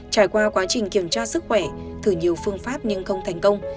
trải qua quá trình kiểm tra sức khỏe thử nhiều phương pháp nhưng không thành công